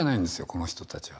この人たちは。